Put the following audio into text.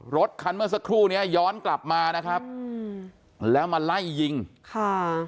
รถคันเมื่อสักครู่เนี้ยย้อนกลับมานะครับอืมแล้วมาไล่ยิงค่ะ